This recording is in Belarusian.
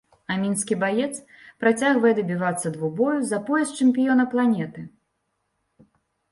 А мінскі баец працягвае дабівацца двубою за пояс чэмпіёна планеты.